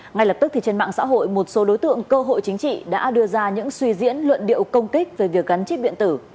ngay lập tức trên mạng xã hội một số đối tượng cơ hội chính trị đã đưa ra những suy diễn luận điệu công kích về việc gắn chip điện tử